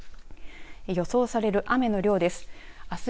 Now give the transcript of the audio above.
予想される雨の量です。